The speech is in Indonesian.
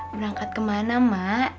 berangkat kemana mak